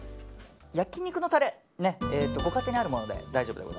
焼き肉のタレご家庭にあるもので大丈夫です。